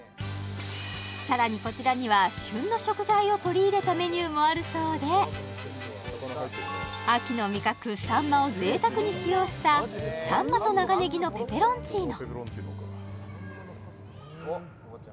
さらにこちらには旬の食材を取り入れたメニューもあるそうで秋の味覚サンマを贅沢に使用したサンマと長ネギのペペロンチーノ